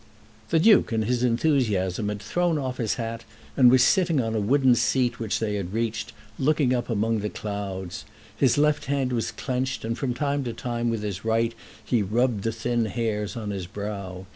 The Duke in his enthusiasm had thrown off his hat, and was sitting on a wooden seat which they had reached, looking up among the clouds. His left hand was clenched, and from time to time with his right he rubbed the thin hairs on his brow.